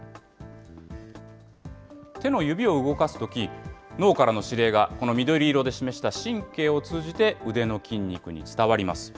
手の指を動かすとき、脳からの指令がこの緑色で示した神経を通じて、腕の筋肉に伝わります。